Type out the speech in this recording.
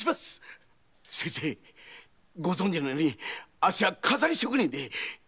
先生ご存知のようにあっしは飾り職人です。